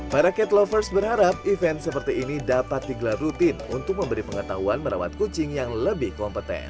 para cat lovers berharap event seperti ini dapat digelar rutin untuk memberi pengetahuan merawat kucing yang lebih kompeten